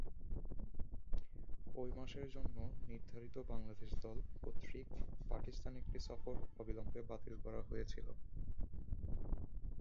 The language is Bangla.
ওই মাসের জন্য নির্ধারিত বাংলাদেশ দল কর্তৃক পাকিস্তানে একটি সফর অবিলম্বে বাতিল করা হয়েছিল।